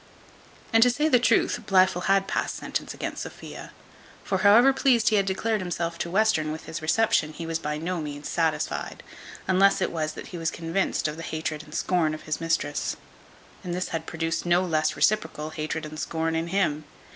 And, to say the truth, Blifil had passed sentence against Sophia; for, however pleased he had declared himself to Western with his reception, he was by no means satisfied, unless it was that he was convinced of the hatred and scorn of his mistress: and this had produced no less reciprocal hatred and scorn in him.